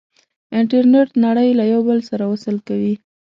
انټرنیټ نړۍ له یو بل سره وصل کوي.